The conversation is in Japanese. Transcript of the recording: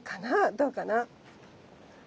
どうかな？